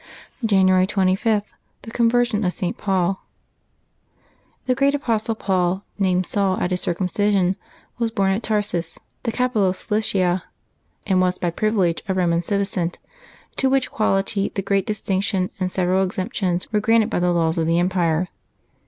January 25.— THE CONVERSION OF ST. PAUL. CHE great apostle Paul, named Saul at his circumcision, was born at Tarsus, the capital of Silicia, and was by privilege a Roman citizen, to which quality a great dis tinction and several exemptions were granted by the laws of the empire.